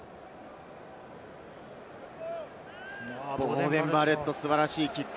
ボーデン・バレット、素晴らしいキック。